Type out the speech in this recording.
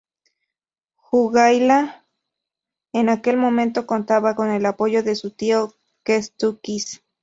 Jogaila en aquel momento contaba con el apoyo de su tío Kęstutis.